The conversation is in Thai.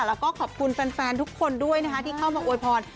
แล้วก็ขอบคุณแฟนทุกคนด้วยนะคะที่เข้ามาอวยพร